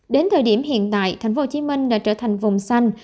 đến thời điểm hiện tại thành phố hồ chí minh đã trở thành vùng xanh